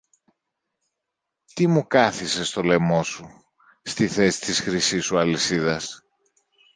Τι μου κάθισες στο λαιμό σου, στη θέση της χρυσής σου αλυσίδας;